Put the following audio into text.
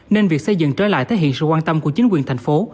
nên việc xây dựng trở lại thể hiện sự quan tâm của chính quyền thành phố